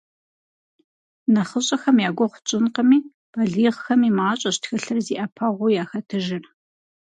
НэхъыщӀэхэм я гугъу тщӀынкъыми, балигъхэми мащӀэщ тхылъыр зи Ӏэпэгъуу яхэтыжыр.